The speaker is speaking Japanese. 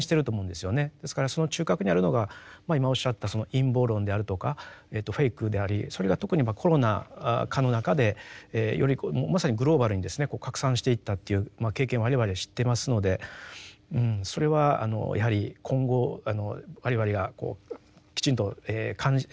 ですからその中核にあるのが今おっしゃったその陰謀論であるとかフェイクでありそれが特にコロナ禍の中でよりまさにグローバルにですね拡散していったという経験を我々知ってますのでそれはやはり今後我々がきちんと関心をですね